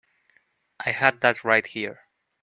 I had that right here.